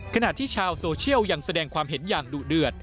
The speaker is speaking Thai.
ขณะที่ชาวโซเชียลยังแสดงความเห็นอย่างดุเดือด